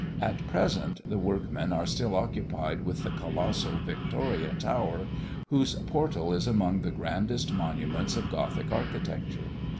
At present, the workmen are still occupied with the colossal Victoria tower, whose portal is among the grandest monuments of Gothic architecture.